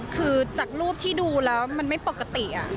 คือจากรูปที่ดูแล้วมันไม่ปกติ